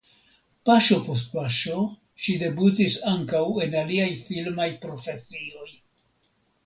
Paŝo post paŝo ŝi debutis ankaŭ en aliaj filmaj profesioj.